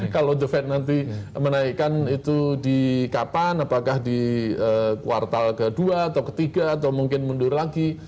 kalau the fed nanti menaikkan itu di kapan apakah di kuartal kedua atau ketiga atau mungkin mundur lagi